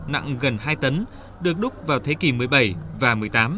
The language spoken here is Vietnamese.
nặng gần hai tấn được đúc vào thế kỷ một mươi bảy và một mươi tám